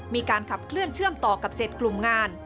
มีการขับเคลื่อนเชื่อมต่อกับ๗กลุ่มงาน